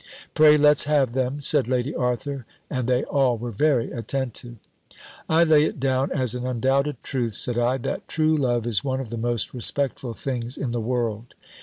"Pray let's have them," said Lady Arthur; and they all were very attentive. "I lay it down as an undoubted truth," said I, "that true love is one of the most respectful things in the world.